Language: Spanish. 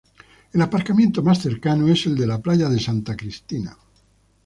El aparcamiento más cercano es el de la Playa de Santa Cristina.